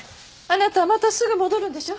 あなたまたすぐ戻るんでしょ？